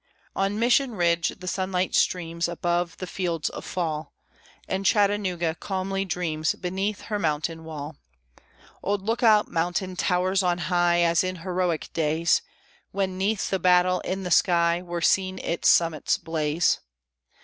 On Mission Ridge the sunlight streams Above the fields of fall, And Chattanooga calmly dreams Beneath her mountain wall. Old Lookout Mountain towers on high, As in heroic days, When 'neath the battle in the sky Were seen its summits blaze.